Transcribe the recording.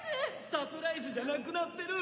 サプライズじゃなくなってる！